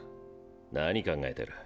何考えてる？